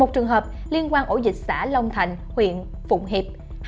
một trường hợp liên quan ổ dịch xã long thành huyện phụng hiệp